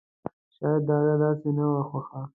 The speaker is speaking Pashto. شايد د هغې داسې نه وه خوښه!